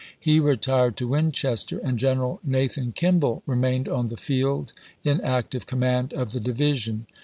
He retired to Winchester, and General Nathan Kimball remained on the field in active command of the division.